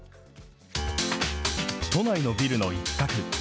都内のビルの一角。